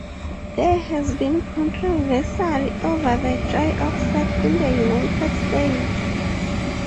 There has been controversy over "The Joy of Sex" in the United States.